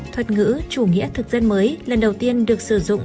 thuật ngữ chủ nghĩa thực dân mới lần đầu tiên được sử dụng